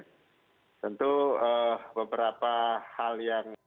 tentu beberapa hal yang